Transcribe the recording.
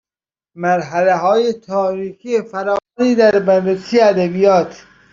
مرحلههای تاریخی فراوانی در بررسی ادبیات